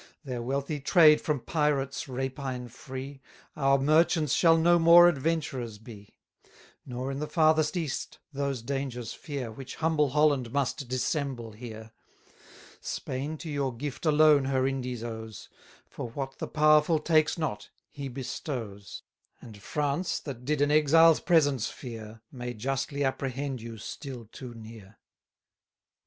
Their wealthy trade from pirates' rapine free, Our merchants shall no more adventurers be: Nor in the farthest East those dangers fear, Which humble Holland must dissemble here. Spain to your gift alone her Indies owes; For what the powerful takes not, he bestows: And France, that did an exile's presence fear, 310 May justly apprehend you still too near.